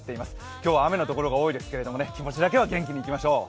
今日は雨のところが多いですけれども気持ちだけは元気でいきましょう。